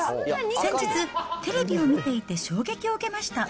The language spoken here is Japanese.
先日、テレビを見ていて衝撃を受けました。